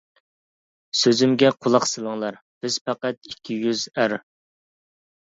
سۆزۈمگە قۇلاق سېلىڭلار، بىز پەقەت ئىككى يۈز ئەر.